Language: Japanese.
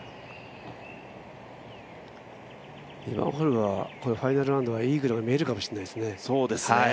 ２番ホールはファイナルラウンドはイーグルも見れるかもしれないですね。